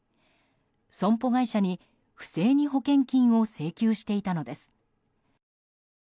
損保会社に不正に保険金を請求していたのです。